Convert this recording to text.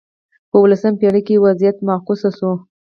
په اولسمه پېړۍ کې وضعیت معکوس شو.